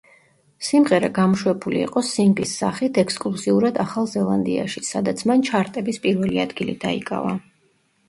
სიმღერა გამოშვებული იყო სინგლის სახით ექსკლუზიურად ახალ ზელანდიაში, სადაც მან ჩარტების პირველი ადგილი დაიკავა.